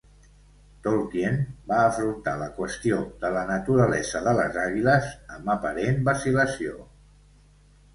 Tolkien va afrontar la qüestió de la naturalesa de les Àguiles amb aparent vacil·lació.